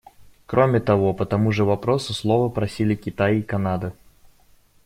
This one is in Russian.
Кроме того, по тому же вопросу слова просили Китай и Канада.